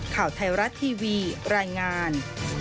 ข่าวไทยรัฐทีวีรายงาน